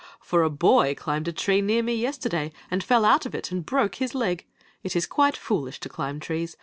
" For a boy climbed a tree near me yesterday and fell out of it and broke his leg. It is quite foolish to climb trees.